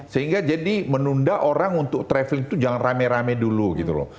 sehingga jadi menunda orang untuk traveling itu jangan rame rame dulu gitu loh